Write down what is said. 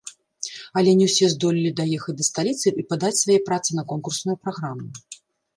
Але не ўсе здолелі даехаць да сталіцы і падаць свае працы на конкурсную праграму.